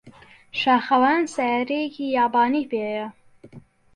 شاخەوان سەیارەیەکی یابانی پێیە.